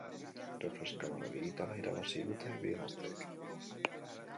Reflex kamara digitala irabazi dute bi gazteek.